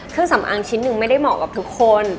เครื่องสำอางชิ้นหนึ่งไม่ได้เหมาะกับทุกคน